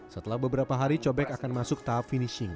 setelah beberapa hari cobek akan masuk tahap finishing